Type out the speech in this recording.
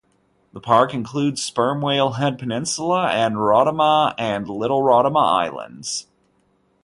The park includes Sperm Whale Head peninsula and Rotamah and Little Rotamah Islands.